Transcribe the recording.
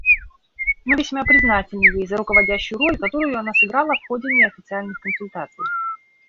Мы весьма признательны ей за руководящую роль, которую она сыграла в ходе неофициальных консультаций.